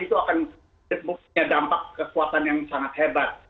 itu akan punya dampak kekuatan yang sangat hebat